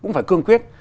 cũng phải cương quyết